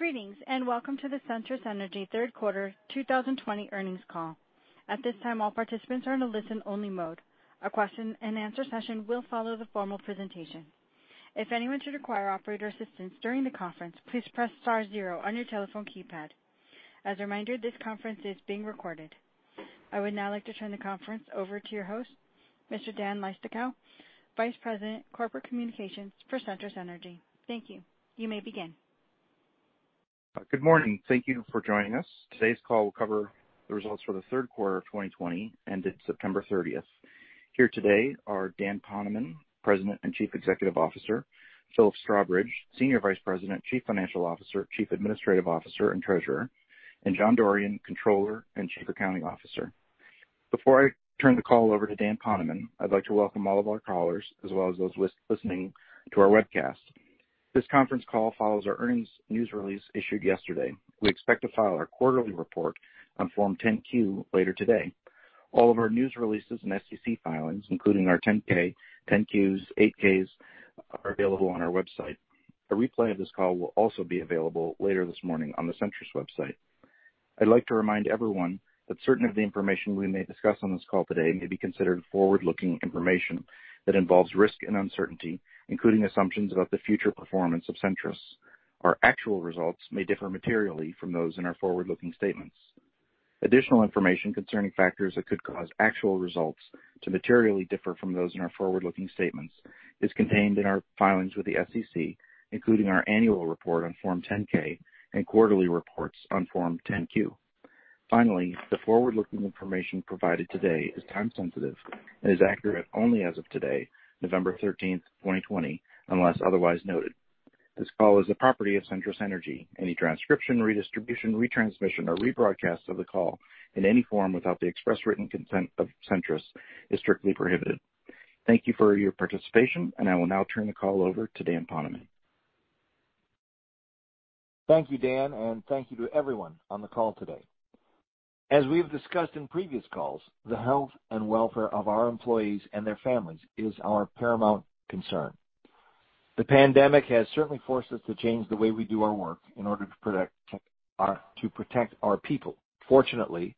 Greetings and welcome to the Centrus Energy Third Quarter 2020 earnings call. At this time, all participants are in a listen-only mode. A question-and-answer session will follow the formal presentation. If anyone should require operator assistance during the conference, please press star zero on your telephone keypad. As a reminder, this conference is being recorded. I would now like to turn the conference over to your host, Mr. Dan Leistikow, Vice President, Corporate Communications for Centrus Energy. Thank you. You may begin. Good morning. Thank you for joining us. Today's call will cover the results for the third quarter of 2020 ended September 30th. Here today are Dan Poneman, President and Chief Executive Officer, Philip Strawbridge, Senior Vice President, Chief Financial Officer, Chief Administrative Officer, and Treasurer, and John Dorrian, Controller and Chief Accounting Officer. Before I turn the call over to Dan Poneman, I'd like to welcome all of our callers as well as those listening to our webcast. This conference call follows our earnings news release issued yesterday. We expect to file our quarterly report on Form 10-Q later today. All of our news releases and SEC filings, including our 10-K, 10-Qs, 8-Ks, are available on our website. A replay of this call will also be available later this morning on the Centrus website. I'd like to remind everyone that certain of the information we may discuss on this call today may be considered forward-looking information that involves risk and uncertainty, including assumptions about the future performance of Centrus. Our actual results may differ materially from those in our forward-looking statements. Additional information concerning factors that could cause actual results to materially differ from those in our forward-looking statements is contained in our filings with the SEC, including our annual report on Form 10-K and quarterly reports on Form 10-Q. Finally, the forward-looking information provided today is time-sensitive and is accurate only as of today, November 13th, 2020, unless otherwise noted. This call is the property of Centrus Energy. Any transcription, redistribution, retransmission, or rebroadcast of the call in any form without the express written consent of Centrus is strictly prohibited. Thank you for your participation, and I will now turn the call over to Dan Poneman. Thank you, Dan, and thank you to everyone on the call today. As we've discussed in previous calls, the health and welfare of our employees and their families is our paramount concern. The pandemic has certainly forced us to change the way we do our work in order to protect our people. Fortunately,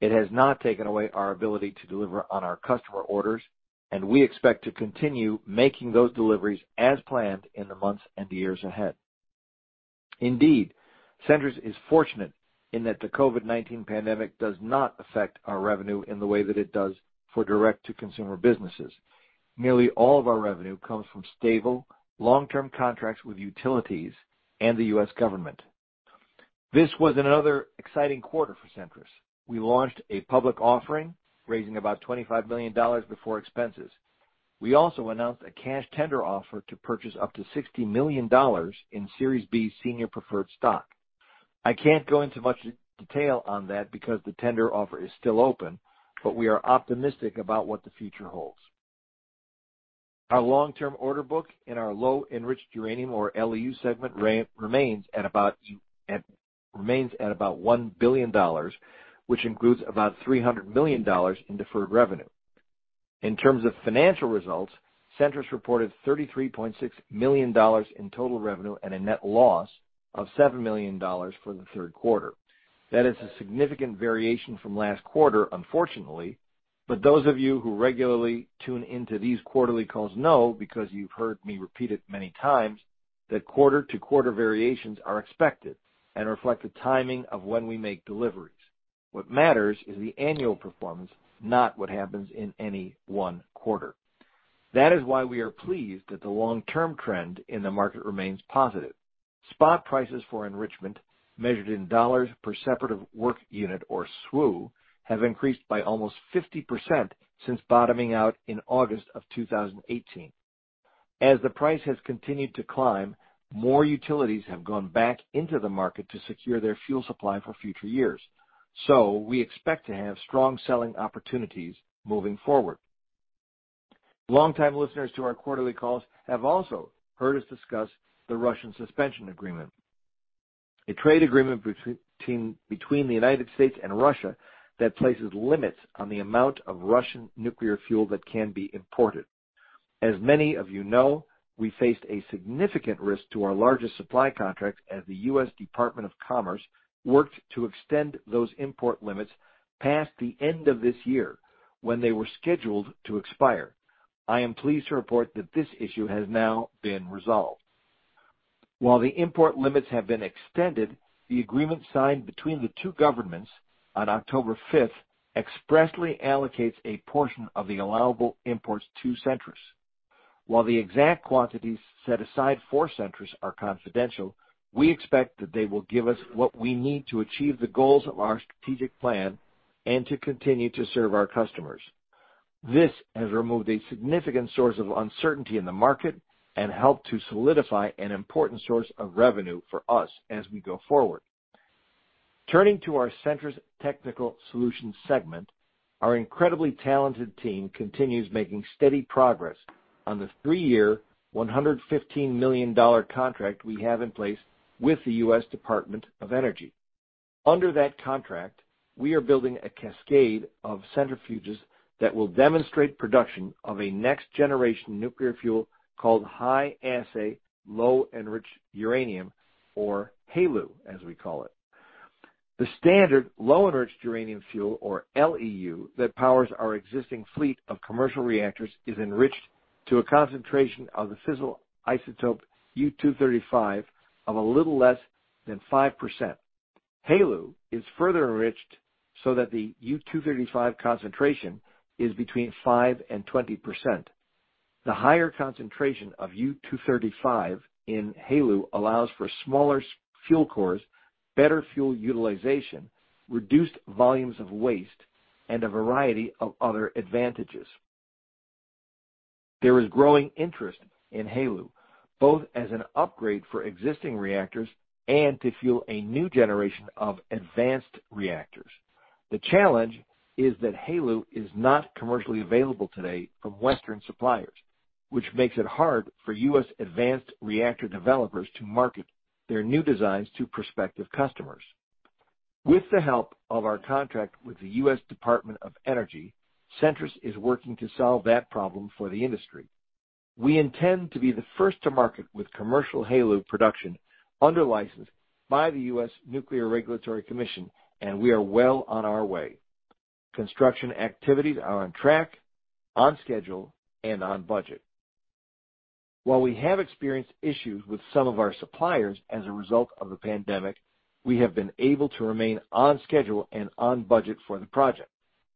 it has not taken away our ability to deliver on our customer orders, and we expect to continue making those deliveries as planned in the months and years ahead. Indeed, Centrus is fortunate in that the COVID-19 pandemic does not affect our revenue in the way that it does for direct-to-consumer businesses. Nearly all of our revenue comes from stable, long-term contracts with utilities and the U.S. government. This was another exciting quarter for Centrus. We launched a public offering raising about $25 million before expenses. We also announced a cash tender offer to purchase up to $60 million in Series B senior preferred stock. I can't go into much detail on that because the tender offer is still open, but we are optimistic about what the future holds. Our long-term order book in our low-enriched uranium, or LEU, segment remains at about $1 billion, which includes about $300 million in deferred revenue. In terms of financial results, Centrus reported $33.6 million in total revenue and a net loss of $7 million for the third quarter. That is a significant variation from last quarter, unfortunately. But those of you who regularly tune into these quarterly calls know, because you've heard me repeat it many times, that quarter-to-quarter variations are expected and reflect the timing of when we make deliveries. What matters is the annual performance, not what happens in any one quarter. That is why we are pleased that the long-term trend in the market remains positive. Spot prices for enrichment, measured in dollars per separative work unit, or SWU, have increased by almost 50% since bottoming out in August of 2018. As the price has continued to climb, more utilities have gone back into the market to secure their fuel supply for future years. So we expect to have strong selling opportunities moving forward. Longtime listeners to our quarterly calls have also heard us discuss the Russian Suspension Agreement, a trade agreement between the United States and Russia that places limits on the amount of Russian nuclear fuel that can be imported. As many of you know, we faced a significant risk to our largest supply contracts as the U.S. Department of Commerce worked to extend those import limits past the end of this year when they were scheduled to expire. I am pleased to report that this issue has now been resolved. While the import limits have been extended, the agreement signed between the two governments on October 5th expressly allocates a portion of the allowable imports to Centrus. While the exact quantities set aside for Centrus are confidential, we expect that they will give us what we need to achieve the goals of our strategic plan and to continue to serve our customers. This has removed a significant source of uncertainty in the market and helped to solidify an important source of revenue for us as we go forward. Turning to our Centrus Technical Solutions segment, our incredibly talented team continues making steady progress on the three-year, $115 million contract we have in place with the U.S. Department of Energy. Under that contract, we are building a cascade of centrifuges that will demonstrate production of a next-generation nuclear fuel called high-assay, low-enriched uranium, or HALEU, as we call it. The standard low-enriched uranium fuel, or LEU, that powers our existing fleet of commercial reactors is enriched to a concentration of the fissile isotope U-235 of a little less than 5%. HALEU is further enriched so that the U-235 concentration is between 5% and 20%. The higher concentration of U-235 in HALEU allows for smaller fuel cores, better fuel utilization, reduced volumes of waste, and a variety of other advantages. There is growing interest in HALEU, both as an upgrade for existing reactors and to fuel a new generation of advanced reactors. The challenge is that HALEU is not commercially available today from Western suppliers, which makes it hard for U.S. advanced reactor developers to market their new designs to prospective customers. With the help of our contract with the U.S. Department of Energy, Centrus is working to solve that problem for the industry. We intend to be the first to market with commercial HALEU production under license by the U.S. Nuclear Regulatory Commission, and we are well on our way. Construction activities are on track, on schedule, and on budget. While we have experienced issues with some of our suppliers as a result of the pandemic, we have been able to remain on schedule and on budget for the project.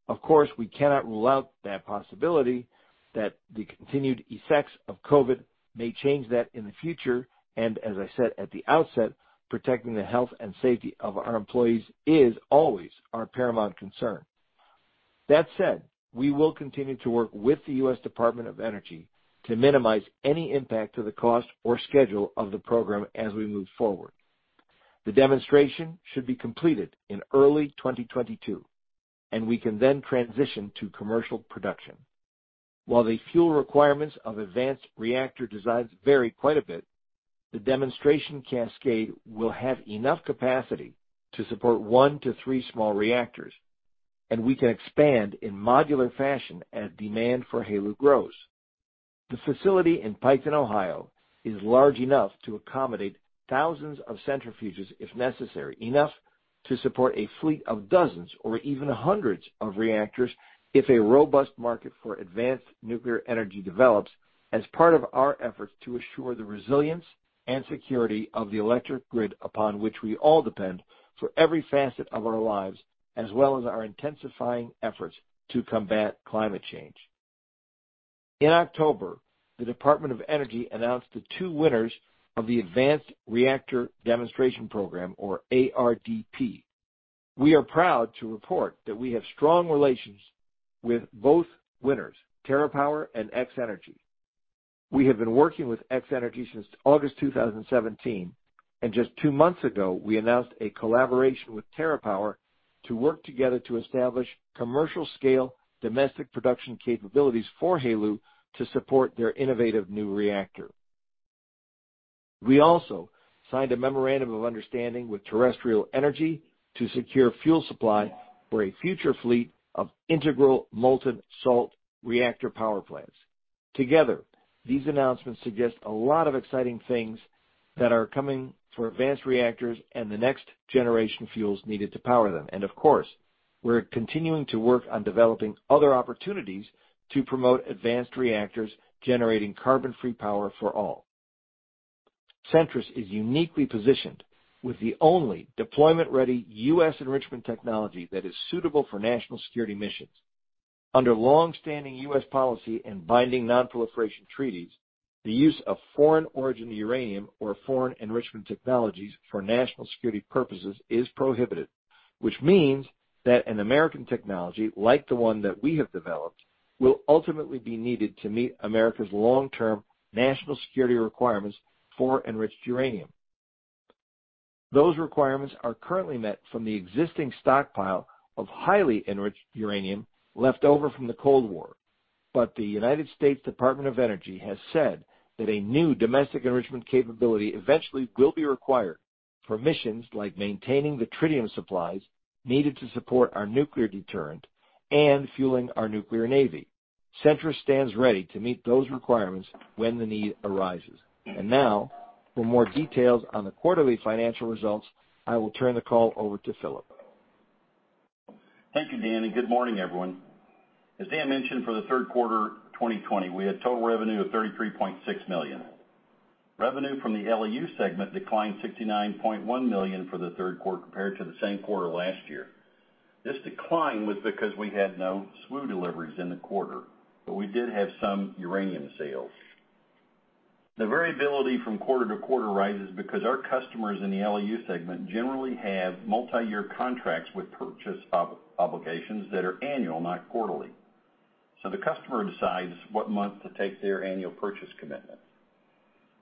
Of course, we cannot rule out that possibility that the continued effects of COVID may change that in the future, and as I said at the outset, protecting the health and safety of our employees is always our paramount concern. That said, we will continue to work with the U.S. Department of Energy to minimize any impact to the cost or schedule of the program as we move forward. The demonstration should be completed in early 2022, and we can then transition to commercial production. While the fuel requirements of advanced reactor designs vary quite a bit, the demonstration cascade will have enough capacity to support one to three small reactors, and we can expand in modular fashion as demand for HALEU grows. The facility in Piketon, Ohio, is large enough to accommodate thousands of centrifuges if necessary, enough to support a fleet of dozens or even hundreds of reactors if a robust market for advanced nuclear energy develops as part of our efforts to assure the resilience and security of the electric grid upon which we all depend for every facet of our lives, as well as our intensifying efforts to combat climate change. In October, the Department of Energy announced the two winners of the Advanced Reactor Demonstration Program, or ARDP. We are proud to report that we have strong relations with both winners, TerraPower and X-energy. We have been working with X-energy since August 2017, and just two months ago, we announced a collaboration with TerraPower to work together to establish commercial-scale domestic production capabilities for HALEU to support their innovative new reactor. We also signed a memorandum of understanding with Terrestrial Energy to secure fuel supply for a future fleet of Integral Molten Salt Reactor power plants. Together, these announcements suggest a lot of exciting things that are coming for advanced reactors and the next generation fuels needed to power them. And of course, we're continuing to work on developing other opportunities to promote advanced reactors generating carbon-free power for all. Centrus is uniquely positioned with the only deployment-ready U.S. enrichment technology that is suitable for national security missions. Under longstanding U.S. policy and binding non-proliferation treaties, the use of foreign-origin uranium or foreign enrichment technologies for national security purposes is prohibited, which means that an American technology like the one that we have developed will ultimately be needed to meet America's long-term national security requirements for enriched uranium. Those requirements are currently met from the existing stockpile of highly enriched uranium left over from the Cold War, but the United States Department of Energy has said that a new domestic enrichment capability eventually will be required for missions like maintaining the tritium supplies needed to support our nuclear deterrent and fueling our nuclear navy. Centrus stands ready to meet those requirements when the need arises. And now, for more details on the quarterly financial results, I will turn the call over to Philip. Thank you, Dan, and good morning, everyone. As Dan mentioned, for the third quarter of 2020, we had total revenue of $33.6 million. Revenue from the LEU segment declined $69.1 million for the third quarter compared to the same quarter last year. This decline was because we had no SWU deliveries in the quarter, but we did have some uranium sales. The variability from quarter to quarter rises because our customers in the LEU segment generally have multi-year contracts with purchase obligations that are annual, not quarterly. So the customer decides what month to take their annual purchase commitment.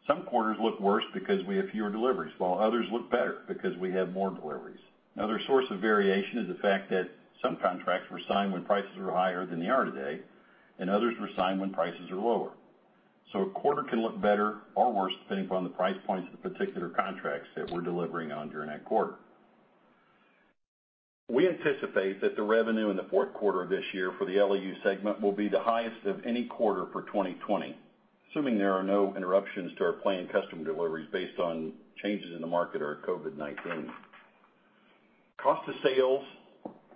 Some quarters look worse because we have fewer deliveries, while others look better because we have more deliveries. Another source of variation is the fact that some contracts were signed when prices were higher than they are today, and others were signed when prices are lower. A quarter can look better or worse depending upon the price points of the particular contracts that we're delivering on during that quarter. We anticipate that the revenue in the fourth quarter of this year for the LEU segment will be the highest of any quarter for 2020, assuming there are no interruptions to our planned customer deliveries based on changes in the market or COVID-19. Cost of sales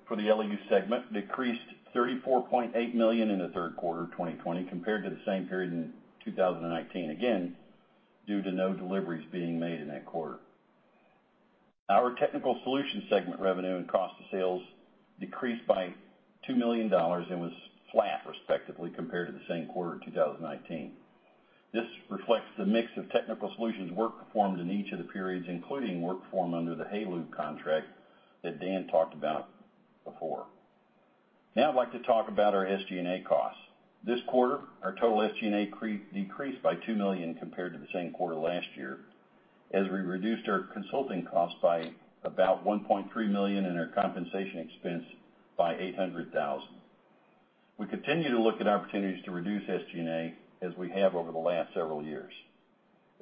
for the LEU segment decreased $34.8 million in the third quarter of 2020 compared to the same period in 2019, again, due to no deliveries being made in that quarter. Our Technical Solutions segment revenue and cost of sales decreased by $2 million and was flat, respectively, compared to the same quarter of 2019. This reflects the mix of technical solutions work performed in each of the periods, including work performed under the HALEU contract that Dan talked about before. Now I'd like to talk about our SG&A costs. This quarter, our total SG&A decreased by $2 million compared to the same quarter last year, as we reduced our consulting costs by about $1.3 million and our compensation expense by $800,000. We continue to look at opportunities to reduce SG&A, as we have over the last several years.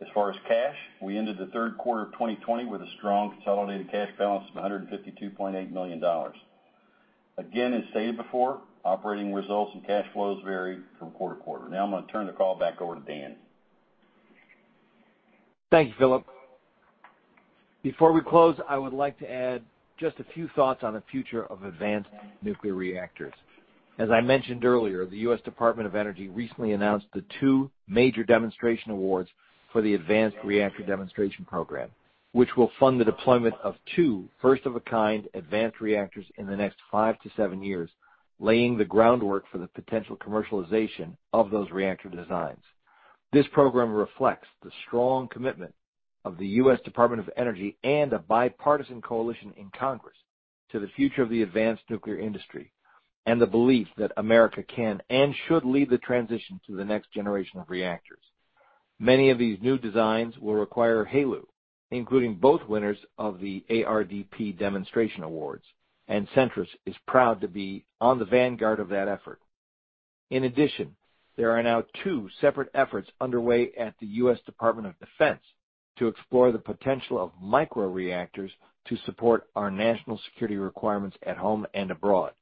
As far as cash, we ended the third quarter of 2020 with a strong consolidated cash balance of $152.8 million. Again, as stated before, operating results and cash flows vary from quarter to quarter. Now I'm going to turn the call back over to Dan. Thank you, Philip. Before we close, I would like to add just a few thoughts on the future of advanced nuclear reactors. As I mentioned earlier, the U.S. Department of Energy recently announced the two major demonstration awards for the Advanced Reactor Demonstration Program, which will fund the deployment of two first-of-a-kind advanced reactors in the next five to seven years, laying the groundwork for the potential commercialization of those reactor designs. This program reflects the strong commitment of the U.S. Department of Energy and a bipartisan coalition in Congress to the future of the advanced nuclear industry and the belief that America can and should lead the transition to the next generation of reactors. Many of these new designs will require HALEU, including both winners of the ARDP Demonstration Awards, and Centrus is proud to be on the vanguard of that effort. In addition, there are now two separate efforts underway at the U.S. Department of Defense to explore the potential of micro-reactors to support our national security requirements at home and abroad.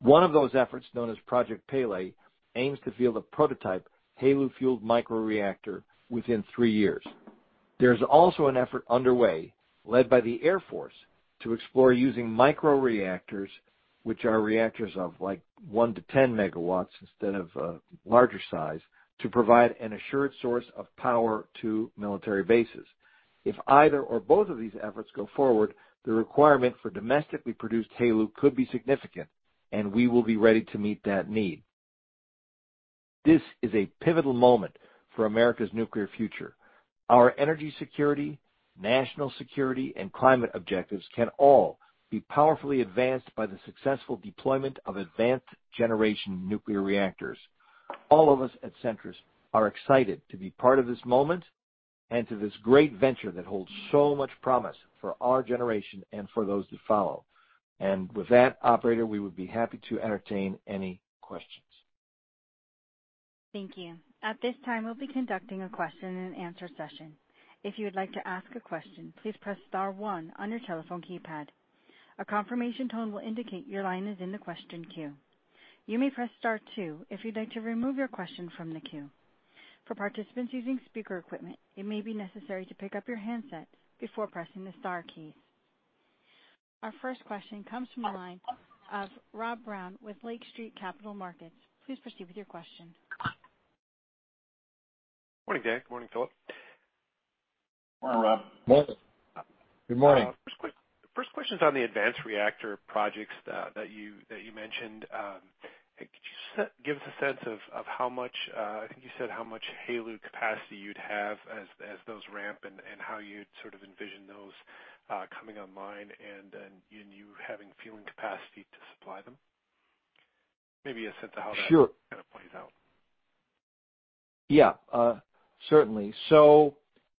One of those efforts, known as Project Pele, aims to field a prototype HALEU-fueled micro-reactor within three years. There is also an effort underway, led by the Air Force, to explore using micro-reactors, which are reactors of like one to 10 megawatts instead of a larger size, to provide an assured source of power to military bases. If either or both of these efforts go forward, the requirement for domestically produced HALEU could be significant, and we will be ready to meet that need. This is a pivotal moment for America's nuclear future. Our energy security, national security, and climate objectives can all be powerfully advanced by the successful deployment of advanced-generation nuclear reactors. All of us at Centrus are excited to be part of this moment and to this great venture that holds so much promise for our generation and for those that follow. And with that, operator, we would be happy to entertain any questions. Thank you. At this time, we'll be conducting a question-and-answer session. If you would like to ask a question, please press star one on your telephone keypad. A confirmation tone will indicate your line is in the question queue. You may press star two if you'd like to remove your question from the queue. For participants using speaker equipment, it may be necessary to pick up your handset before pressing the Star keys. Our first question comes from the line of Rob Brown with Lake Street Capital Markets. Please proceed with your question. Morning, Dan. Good morning, Philip. Morning, Rob. Morning. Good morning. First question's on the advanced reactor projects that you mentioned. Could you give us a sense of how much—I think you said how much HALEU capacity you'd have as those ramp and how you'd sort of envision those coming online and you having fueling capacity to supply them? Maybe a sense of how that kind of plays out. Sure. Yeah, certainly. So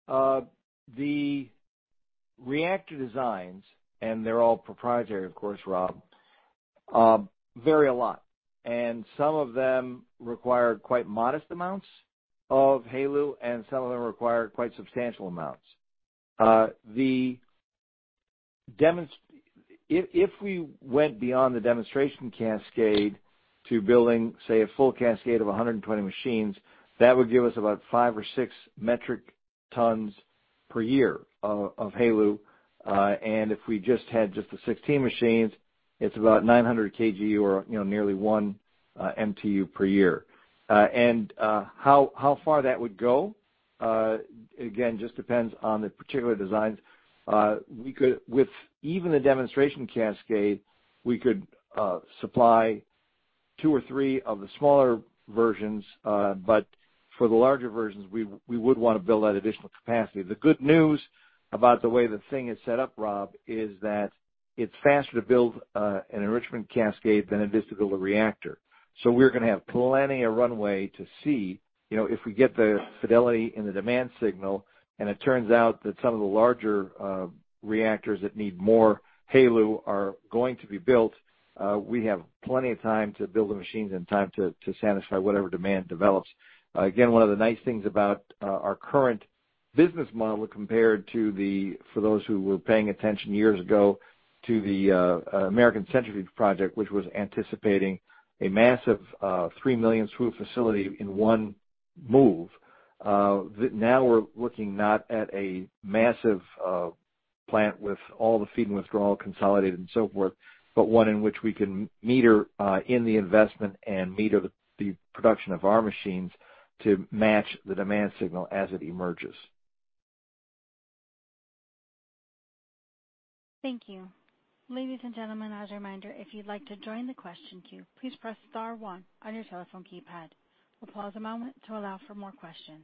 the reactor designs (and they're all proprietary, of course, Rob) vary a lot. And some of them require quite modest amounts of HALEU, and some of them require quite substantial amounts. If we went beyond the demonstration cascade to building, say, a full cascade of 120 machines, that would give us about five or six metric tons per year of HALEU. And if we just had the 16 machines, it's about 900 kg or nearly one MTU per year. And how far that would go, again, just depends on the particular designs. With even the demonstration cascade, we could supply two or three of the smaller versions, but for the larger versions, we would want to build that additional capacity. The good news about the way the thing is set up, Rob, is that it's faster to build an enrichment cascade than it is to build a reactor, so we're going to have plenty of runway to see if we get the fidelity and the demand signal, and it turns out that some of the larger reactors that need more HALEU are going to be built. We have plenty of time to build the machines and time to satisfy whatever demand develops. Again, one of the nice things about our current business model compared to, for those who were paying attention years ago, to the American Centrifuge Project, which was anticipating a massive 3 million SWU facility in one move, now we're looking not at a massive plant with all the feed and withdrawal consolidated and so forth, but one in which we can meter in the investment and meter the production of our machines to match the demand signal as it emerges. Thank you. Ladies and gentlemen, as a reminder, if you'd like to join the question queue, please press Star 1 on your telephone keypad. We'll pause a moment to allow for more questions.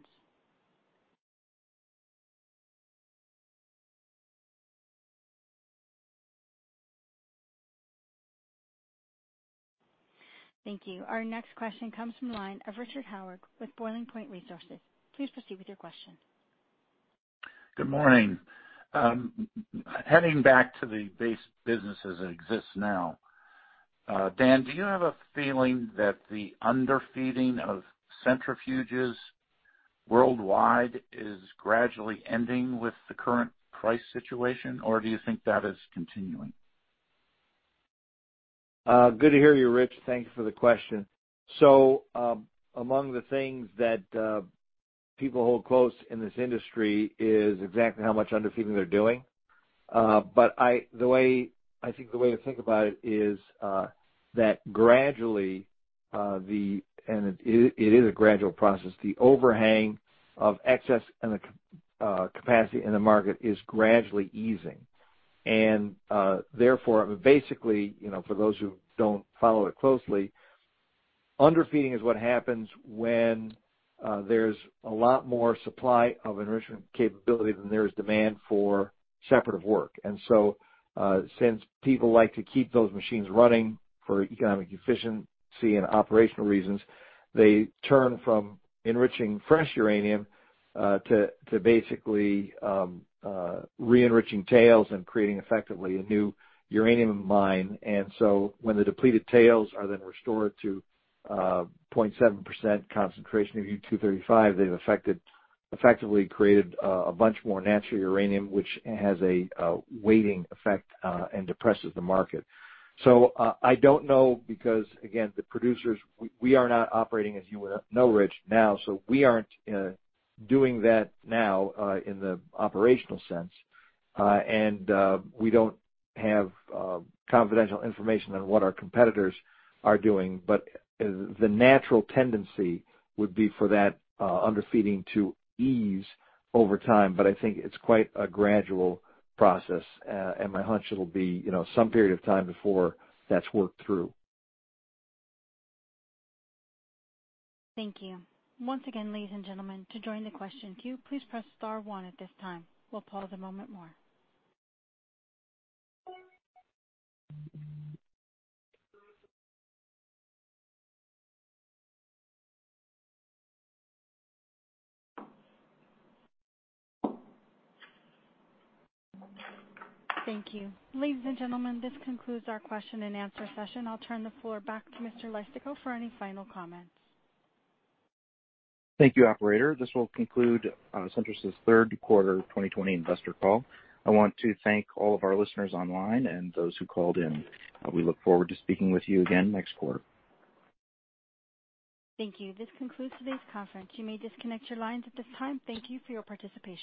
Thank you. Our next question comes from the line of Rich Howard with Boiling Point Resources. Please proceed with your question. Good morning. Heading back to the business as it exists now, Dan, do you have a feeling that the underfeeding of centrifuges worldwide is gradually ending with the current price situation, or do you think that is continuing? Good to hear you, Rich. Thank you for the question. So among the things that people hold close in this industry is exactly how much underfeeding they're doing. But I think the way to think about it is that gradually, and it is a gradual process, the overhang of excess and the capacity in the market is gradually easing. And therefore, basically, for those who don't follow it closely, underfeeding is what happens when there's a lot more supply of enrichment capability than there is demand for separative work. And so since people like to keep those machines running for economic efficiency and operational reasons, they turn from enriching fresh uranium to basically re-enriching tails and creating effectively a new uranium mine. And so when the depleted tails are then restored to 0.7% concentration of U-235, they've effectively created a bunch more natural uranium, which has a weighting effect and depresses the market. So I don't know because, again, the producers, we are not operating, as you would know, Rich, now, so we aren't doing that now in the operational sense. And we don't have confidential information on what our competitors are doing. But the natural tendency would be for that underfeeding to ease over time. But I think it's quite a gradual process, and my hunch it'll be some period of time before that's worked through. Thank you. Once again, ladies and gentlemen, to join the question queue, please press star one at this time. We'll pause a moment more. Thank you. Ladies and gentlemen, this concludes our question-and-answer session. I'll turn the floor back to Mr. Leistikow for any final comments. Thank you, operator. This will conclude Centrus's third quarter 2020 investor call. I want to thank all of our listeners online and those who called in. We look forward to speaking with you again next quarter. Thank you. This concludes today's conference. You may disconnect your lines at this time. Thank you for your participation.